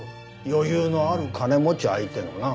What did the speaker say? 余裕のある金持ち相手のな。